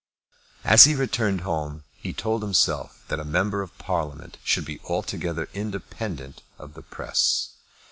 As he returned home he told himself that a member of Parliament should be altogether independent of the press.